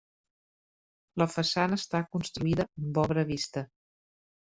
La façana està construïda amb obra vista.